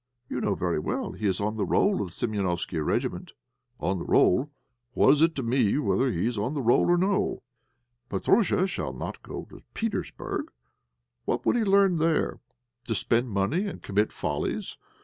You know very well he is on the roll of the Séménofsky regiment." "On the roll! What is it to me whether he be on the roll or no? Petróusha shall not go to Petersburg! What would he learn there? To spend money and commit follies.